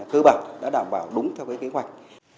cứ bảo đã đảm bảo đúng theo kế hoạch